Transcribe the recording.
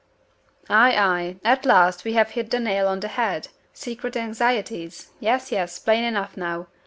"Ay! ay! At last we have hit the nail on the head! Secret anxieties. Yes! yes! Plain enough now.